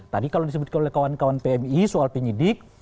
tadi kalau disebutkan oleh kawan kawan pmi soal penyidik